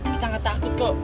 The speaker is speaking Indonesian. kita gak takut kok